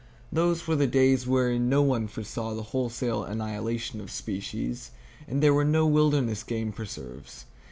Those were the days wherein no one foresaw the wholesale annihilation of species, and there were no wilderness game preserves.